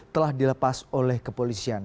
telah dilepas oleh kepolisian